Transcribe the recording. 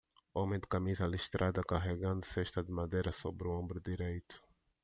homem de camisa listrada carregando cesta de madeira sobre o ombro direito